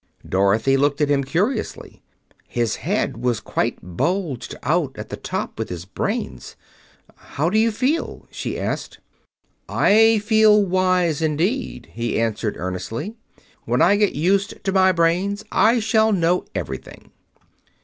Dorothy looked at him curiously. His head was quite bulged out at the top with brains. "How do you feel?" she asked. "I feel wise indeed," he answered earnestly. "When I get used to my brains I shall know everything."